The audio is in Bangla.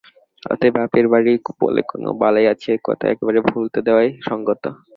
অতএব বাপের বাড়ি বলে কোনো বালাই আছে এ কথা একেবারে ভুলতে দেওয়াই সংগত।